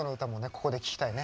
ここで聴きたいね。